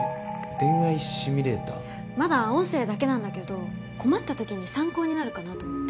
まだ音声だけなんだけど困ったときに参考になるかなと思って。